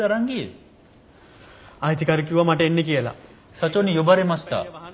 社長に呼ばれました。